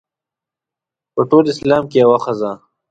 په ټول اسلام کې یوه ښځه.